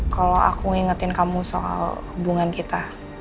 kalau aku ngingetin kamu soal hubungan kita